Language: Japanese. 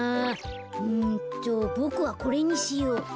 うんとボクはこれにしよう。